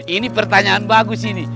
ini pertanyaan bagus ini